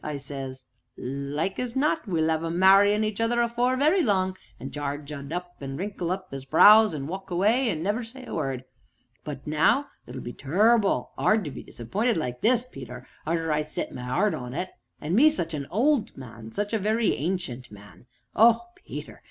I says; 'like as not we'll 'ave 'em marryin' each other afore very long!' an' Jarge 'ud just wrinkle up 'is brows, an' walk away, an' never say a word. But now it be tur'ble 'ard to be disapp'inted like this, Peter arter I'd set my 'eart on it an' me such a old man such a very ancient man. Oh, Peter!